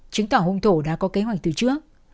chứng tỏ hùng thổ đã có kế hoạch từ trước